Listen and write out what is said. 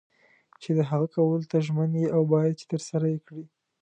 چې د هغه کولو ته ژمن یې او باید چې ترسره یې کړې.